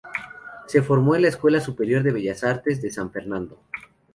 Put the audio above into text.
Se formó en la Escuela Superior de Bellas Artes de San Fernando.